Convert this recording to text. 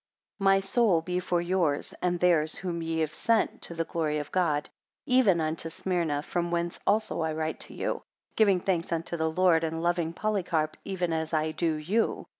17 My soul be for yours, and theirs whom ye have sent, to the glory of God; even unto Smyrna, from whence also I write to you; giving thanks unto the Lord and loving Polycarp even as I do you.